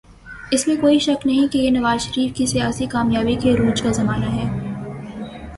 اس میں کوئی شک نہیں کہ یہ نواز شریف کی سیاسی کامیابی کے عروج کا زمانہ ہے۔